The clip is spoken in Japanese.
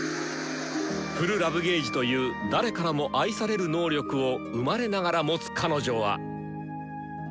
好感度という誰からも愛される能力を生まれながら持つ彼女は。